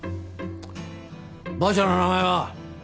ばあちゃんの名前は？